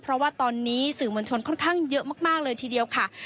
เพราะว่าตอนนี้สื่อมวลชนค่อนข้างเยอะมากเลยทีเดียวค่ะ